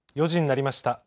４時になりました。